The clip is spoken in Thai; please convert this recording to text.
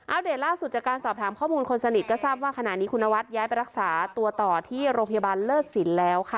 เดตล่าสุดจากการสอบถามข้อมูลคนสนิทก็ทราบว่าขณะนี้คุณนวัดย้ายไปรักษาตัวต่อที่โรงพยาบาลเลิศสินแล้วค่ะ